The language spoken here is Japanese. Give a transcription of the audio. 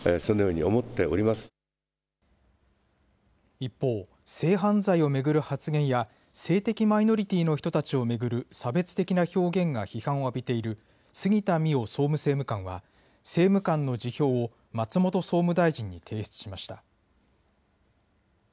一方、性犯罪を巡る発言や性的マイノリティーの人たちを巡る差別的な表現が批判を浴びている杉田水脈総務政務官は政務官の辞表を松本総務大臣に提出しました。